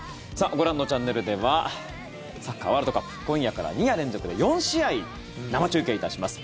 ご覧のチャンネルではサッカーワールドカップ今夜から２夜連続で４試合生中継いたします。